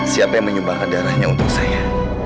siapa yang menyumbangkan darahnya untuk saya